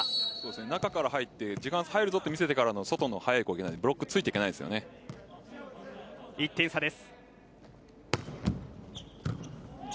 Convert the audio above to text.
中から入って時間差入るぞと見せかけてからの外の速い動きなのでブロックが１点差です。